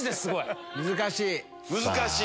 難しい。